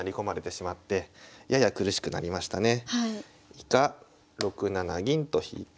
以下６七銀と引いて。